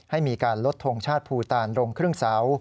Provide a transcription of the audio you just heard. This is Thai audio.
ให้มีการลดทงชาติภูตานลงครึ่งเสา